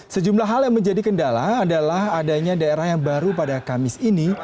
sejumlah hal yang menjadi kendala adalah adanya daerah yang baru pada kamis ini